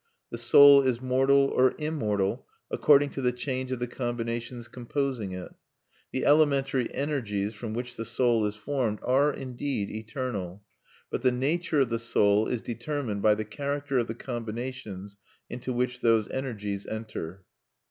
The soul is mortal or immortal according to the change of the combinations composing it. The elementary energies from which the soul is formed are, indeed, eternal; but the nature of the soul is determined by the character of the combinations into which those energies enter."